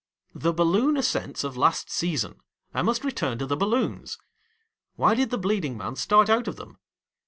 — The balloon ascents of last season. I must return to the balloons. Why did the bleeding man start out of them..?